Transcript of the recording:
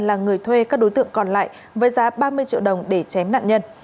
là người thuê các đối tượng còn lại với giá ba mươi triệu đồng để chém nạn nhân